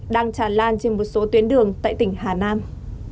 đang tràn lan trên một số tuyến đường tại tỉnh hà nam